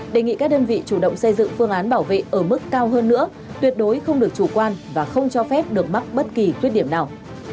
đề nghị các đơn vị chủ động xây dựng phương án bảo vệ ở mức cao hơn nữa tuyệt đối không được chủ quan và không cho phép được mắc bất kỳ quyết điểm nào